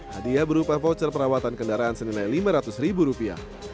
hadiah berupa voucher perawatan kendaraan senilai lima ratus ribu rupiah